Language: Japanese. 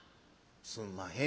『すんまへん』。